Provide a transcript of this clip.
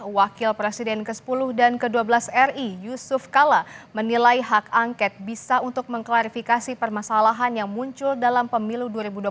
wakil presiden ke sepuluh dan ke dua belas ri yusuf kala menilai hak angket bisa untuk mengklarifikasi permasalahan yang muncul dalam pemilu dua ribu dua puluh